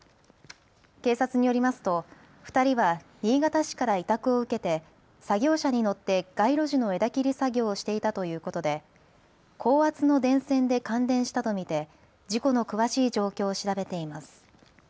警察によりますと２人は新潟市から委託を受けて作業車に乗って街路樹の枝切り作業をしていたということで高圧の電線で感電したと見て事故の詳しい状況を調べています。